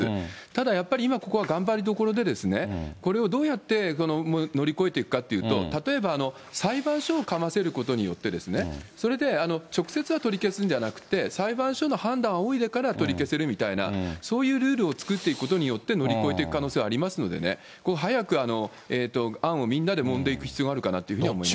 ただやっぱり、今ここは頑張りどころで、これをどうやって乗り越えていくかというと、例えば裁判所をかませることによって、それで直接は取り消すんじゃなくて、裁判所の判断をあおいでから取り消せるみたいな、そういうルール作っていくことによって乗り越えていく可能性はありますのでね、早く案をみんなでもんでいく必要があるかなと思いますね。